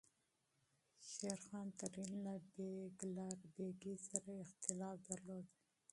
شېرخان ترین له بیګلربیګي سره اختلاف درلود.